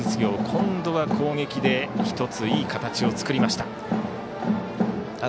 今度は攻撃で１ついい形を作りました。